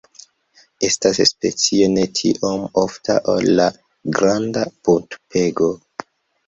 Estas specio ne tiom ofta ol la Granda buntpego.